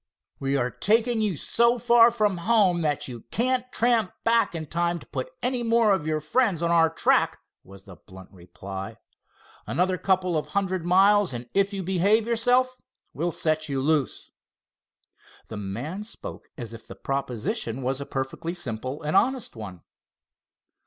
"We are taking you so far from home, that you can't tramp back in time to pat any more of your friends on our track," was the blunt reply. "Another couple of hundred miles, and, if you behave yourself, we'll set you loose." The man spoke as if the proposition was perfectly simple and honest one.